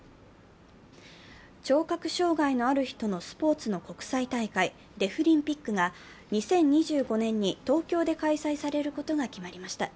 聴覚障害のある人のスポーツの国際大会デフリンピックが２０２５年に東京で開催されることが決まりました。